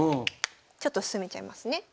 ちょっと進めちゃいますね。